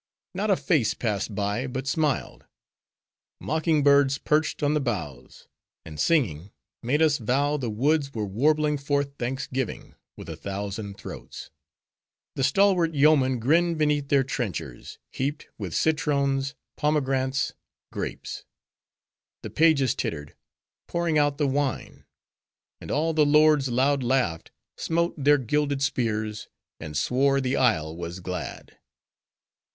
Not a face passed by, but smiled; mocking birds perched on the boughs; and singing, made us vow the woods were warbling forth thanksgiving, with a thousand throats! The stalwart yeomen grinned beneath their trenchers, heaped with citrons pomegrantes, grapes; the pages tittered, pouring out the wine; and all the lords loud laughed, smote their gilded spears, and swore the isle was glad.